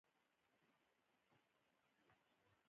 په پېچومو، مستو او کږلېچونو کې نه و.